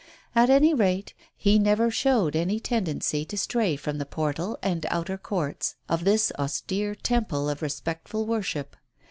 At any rate, he never showed any tendency to stray from the portal and outer courts of this austere temple of respectful worship.